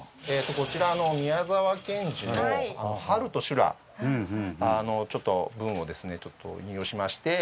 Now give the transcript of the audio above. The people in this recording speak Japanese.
こちらあの宮沢賢治の『春と修羅』のちょっと文をですね引用しまして。